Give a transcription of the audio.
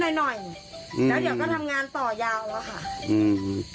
แล้วเดี๋ยวก็ทำงานต่อยาวแล้วค่ะ